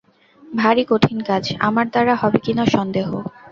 ভারি কঠিন কাজ, আমার দ্বারা হবে কি না সন্দেহ।